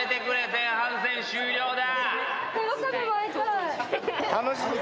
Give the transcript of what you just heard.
前半戦終了だ。